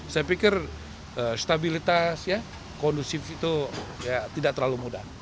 saya pikir stabilitas ya kondusif itu tidak terlalu mudah